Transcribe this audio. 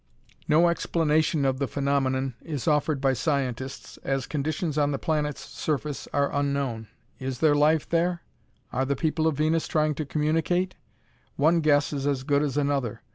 "No explanation of the phenomenon is offered by scientists, as conditions on the planet's surface are unknown. Is there life there? Are the people of Venus trying to communicate? One guess is as good as another.